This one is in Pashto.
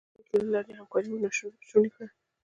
د همدې اړیکې له لارې مو همکاري شونې کړه.